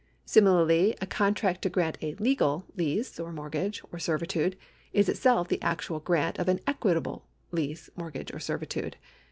Similarly a con tract to grant a legal lease or mortgage or servitude is itself the actual grant of an equitable lease, mortgage, or servitude.